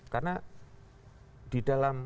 karena di dalam